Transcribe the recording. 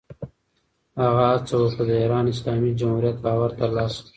هغه هڅه وکړه، د ایران اسلامي جمهوریت باور ترلاسه کړي.